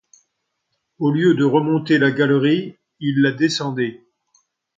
Au lieu de remonter la galerie, il la descendait.